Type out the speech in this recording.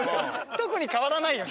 特に変わらないよ。